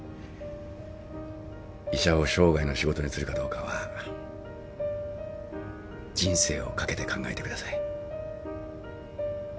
医者を生涯の仕事にするかどうかは人生を懸けて考えてください。